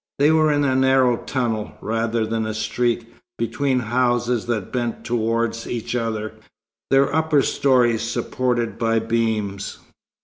They were in a narrow tunnel, rather than a street, between houses that bent towards each other, their upper stories supported by beams.